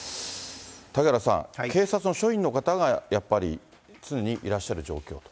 嵩原さん、警察の署員の方がやっぱり常にいらっしゃる状況と。